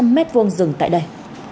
tám trăm linh m hai rừng tại đây